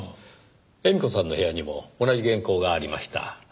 絵美子さんの部屋にも同じ原稿がありました。